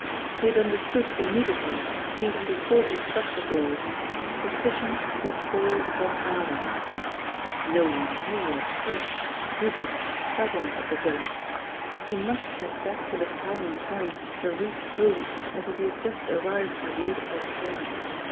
He had understood immediately, even before he struck the blow, that suspicion would fall upon Alers. No one knew of his — Hubert's — presence at the villa. He must get back to the town in time to reach home as if he had just arrived by the eight o'clock train.